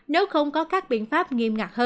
nếu không có các biện pháp nghiêm